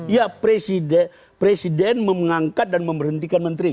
ya presiden mengangkat dan memberhentikan menteri